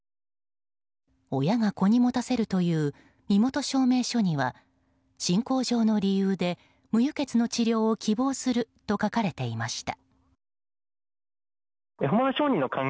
親が子に持たせるという身元証明書には信仰上の理由で、無輸血の治療を希望すると書かれていました。